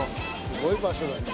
すごい場所だね。